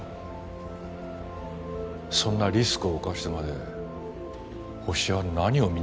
そんなリスクを冒してまでホシは何を見に来たんだ？